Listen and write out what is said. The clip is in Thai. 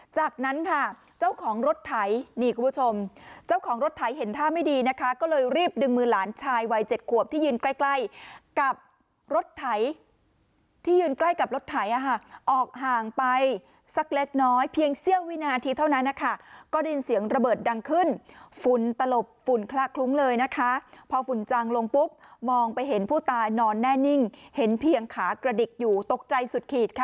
เจ้าของรถไถเห็นท่าไม่ดีนะคะก็เลยรีบดึงมือหลานชายวัย๗ขวบที่ยืนใกล้กับรถไถที่ยืนใกล้กับรถไถอ่ะค่ะออกห่างไปสักเล็กน้อยเพียงเสี้ยววินาทีเท่านั้นนะคะก็ได้ยินเสียงระเบิดดังขึ้นฝุ่นตลบฝุ่นคลากรุ้งเลยนะคะพอฝุ่นจางลงปุ๊บมองไปเห็นผู้ตายนอนแน่นิ่งเห็นเพียงขากระดิกอยู่ตกใจสุ